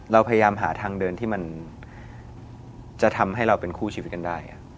เราพยายามหาทางเดินที่มันจะทำให้เราเป็นคู่ชีวิตกันได้